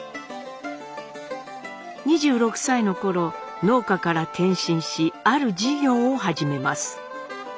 ２６歳の頃農家から転身しある事業を始めます。